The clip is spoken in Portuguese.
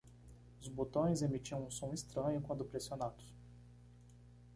Os botões emitiam um som estranho quando pressionados.